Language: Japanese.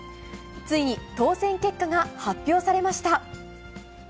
ついに当せん結果が発表されました。